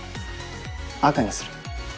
赤にする。